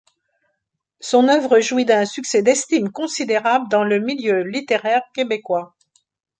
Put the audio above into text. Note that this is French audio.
Son œuvre jouit d'un succès d'estime considérable dans le milieu littéraire québécois.